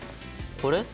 これ？